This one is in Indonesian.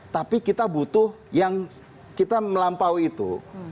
tapi kita butuh yang kita melampaui itu